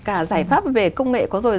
cả giải pháp về công nghệ có rồi